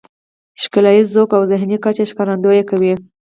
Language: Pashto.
ښکلاييز ذوق او ذهني کچې ښکارندويي کوي .